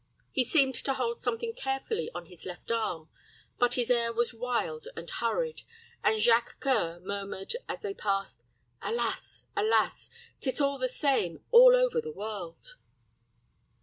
He seemed to hold something carefully on his left arm; but his air was wild and hurried, and Jacques C[oe]ur murmured, as they passed, "Alas, alas! 'Tis still the same, all over the world."